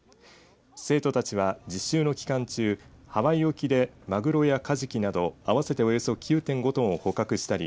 生徒たちは実習の期間中ハワイ沖で、まぐろやかじきなど合わせておよそ９．５トンを捕獲したり